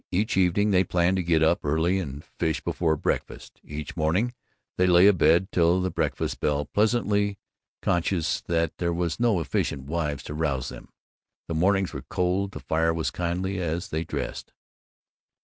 Each evening they planned to get up early and fish before breakfast. Each morning they lay abed till the breakfast bell, pleasantly conscious that there were no efficient wives to rouse them. The mornings were cold; the fire was kindly as they dressed.